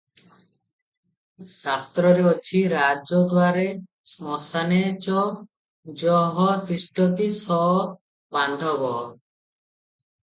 ଶାସ୍ତ୍ରରେ ଅଛି,"ରାଜଦ୍ୱାରେ ଶ୍ମଶାନେ ଚ ଯଃ ତିଷ୍ଠତି ସ ବାନ୍ଧବଃ ।